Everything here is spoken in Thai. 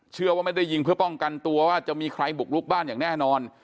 เชื่อว่าไม่ได้ยิงเพื่อป้องกันตัวว่าจะมีใครบุกลุกบ้านอย่างแน่นอน